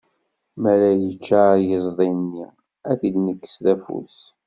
Mi ara yeččar yiẓdi-nni, ad t-id-nekkes d afus.